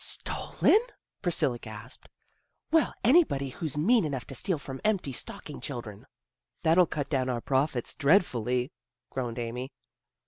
" Stolen! " Priscilla gasped. " Well, any body who's mean enough to steal from empty stocking children! "" That'll cut down our profits dreadfully," groaned Amy.